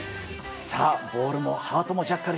ボールもハートもジャッカル。